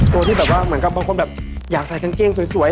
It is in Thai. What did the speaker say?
ตัวที่มันก็บ้างควรอยากใส่เซ็นเกงสวย